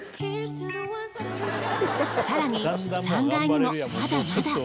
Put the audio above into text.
更に３階にもまだまだ。